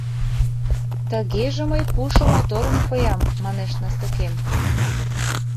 «Тыгеже мый пушо моторын коям», — манеш Настукем.